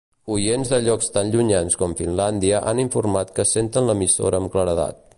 Oients de llocs tan llunyans com Finlàndia han informat que senten l'emissora amb claredat.